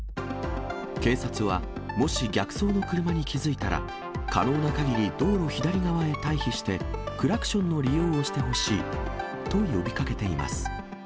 警察は、もし逆走の車に気付いたら、可能なかぎり道路左側へ退避して、クラクションの利用をしてほしいと呼びかけています。